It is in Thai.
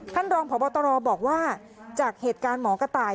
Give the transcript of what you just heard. ท่านรองพบตรบอกว่าจากเหตุการณ์หมอกระต่าย